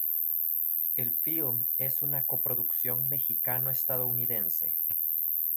El film es una coproducción mexicano-estadounidense.